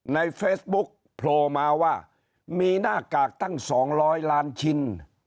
ในเฟซบุ๊คโผล่มาว่ามีหน้ากากตั้ง๒๐๐ล้านชิ้น